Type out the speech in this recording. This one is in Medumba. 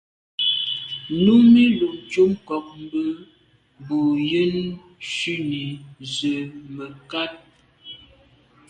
Númí lùcúp ŋkɔ̀k mbə̌ bū yə́nə́ shúnì zə̀ mə̀kát.